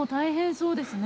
そうですね。